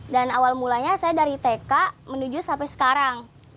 dan awal mulanya saya dari tk menuju sampai sekarang